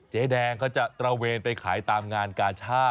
เจ๊แดงก็จะเวนไปขายตามงานกาช่า